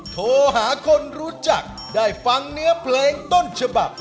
โทรหาคนรู้จักได้ฟังเนื้อเพลงต้นฉบับ